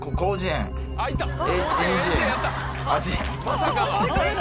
まさかの。